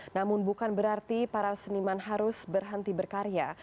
namun bukan berarti para seniman harus berhenti berkarya